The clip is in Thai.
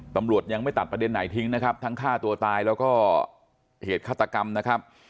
ตำรวจยังไม่ตัดประเด็นไหนทิ้งนะครับทั้งฆ่าตัวตายแล้วก็เหตุฆาตกรรมนะครับ